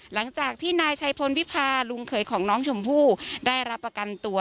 หลังจากที่นายชัยพลวิพาลุงเขยของน้องชมพู่ได้รับประกันตัว